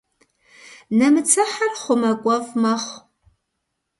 Нэмыцэхьэр хъумакӏуэфӏ мэхъу.